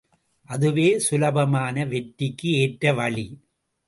அதுவே சுலபமான வெற்றிக்கு ஏற்ற வழி!